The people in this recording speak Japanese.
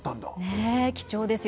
ねえ貴重ですよ。